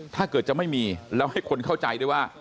ถ้าเกิดจะไม่มีแล้วให้คนเข้าใจด้วยว่า